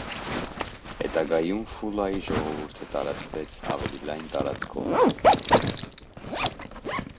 Հետագայում ֆուլայի ժողովուրդը տարածվեց ավելի լայն տարածքով։